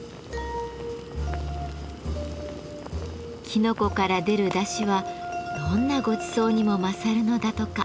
きのこから出るだしはどんなごちそうにも勝るのだとか。